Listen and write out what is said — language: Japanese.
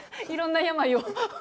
いろんな病を。